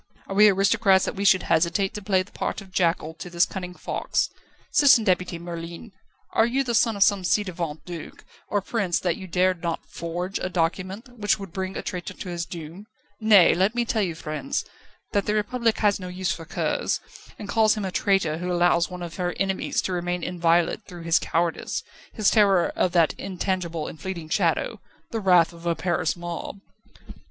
Are we aristocrats that we should hesitate to play the part of jackal to this cunning fox? Citizen Deputy Merlin, are you the son of some ci devant duke or prince that you dared not forge a document which would bring a traitor to his doom? Nay; let me tell you, friends, that the Republic has no use for curs, and calls him a traitor who allows one of her enemies to remain inviolate through his cowardice, his terror of that intangible and fleeting shadow the wrath of a Paris mob."